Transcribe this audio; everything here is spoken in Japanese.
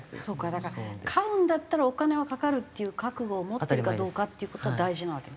だから飼うんだったらお金はかかるっていう覚悟を持ってるかどうかっていう事が大事なわけ。